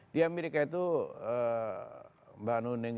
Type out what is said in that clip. di amerika itu mbak nuning